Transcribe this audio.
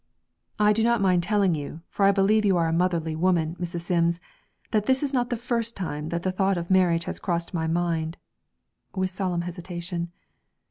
'I do not mind telling you, for I believe you are a motherly woman, Mrs. Sims, that it is not the first time that the thought of marriage has crossed my mind' (with solemn hesitation).